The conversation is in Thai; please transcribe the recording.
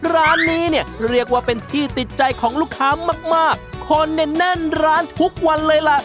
ร้านนี้เนี่ยเรียกว่าเป็นที่ติดใจของลูกค้ามากมากคนเนี่ยแน่นร้านทุกวันเลยล่ะ